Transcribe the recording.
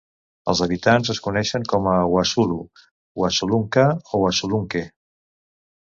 Els habitants es coneixen com a Wassulu, Wassulunka o Wassulunke.